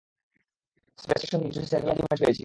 Space station থেকে কিছু satellite image পেয়েছি।